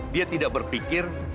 dia tidak berpikir